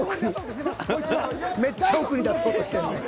［めっちゃ奥に出そうとしてんねん］